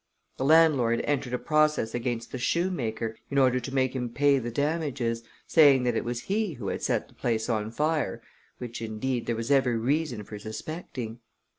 The landlord entered a process against the shoemaker, in order to make him pay the damages, saying that it was he who had set the place on fire, which, indeed, there was every reason for suspecting.